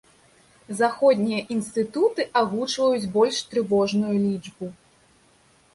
Заходнія інстытуты агучваюць больш трывожную лічбу.